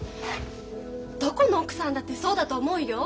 どこの奥さんだってそうだと思うよ。